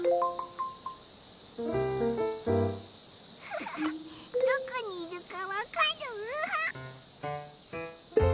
フフフどこにいるかわかる？